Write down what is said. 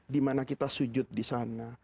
di mana kita sujud di sana